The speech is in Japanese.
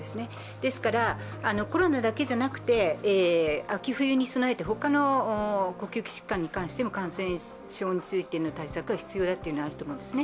ですからコロナだけじゃなくて、秋冬に備えて他の呼吸器疾患に関しても感染症についての対策が必要になると思うんですね。